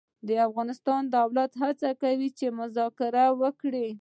د افغانستان دولت هڅه کوي مذاکره وکړي.